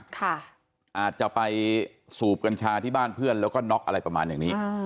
อาจจะไปสูบกัญชาที่บ้านเพื่อนแล้วก็น็อกอะไรประมาณอย่างนี้